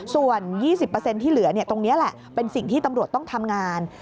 ส่วน๒๐ที่เหลือตรงนี้แหละเป็นสิ่งที่ตำรวจต้องทำงาน